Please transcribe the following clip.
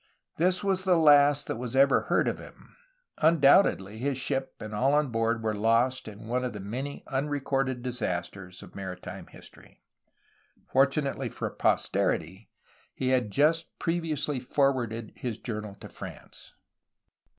This was the last that was ever heard of him. Undoubtedly his ship and all on board were lost in one of the many unrecorded disasters of maritime history. THE ROMANTIC PERIOD, 1782 1810 403 Fortunately for posterity he had just previously forwarded his journal to France.